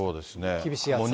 厳しい暑さです。